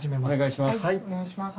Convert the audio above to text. お願いします。